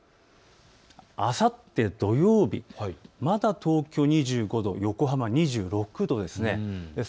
あさって土曜日、まだ東京２５度、横浜２６度です。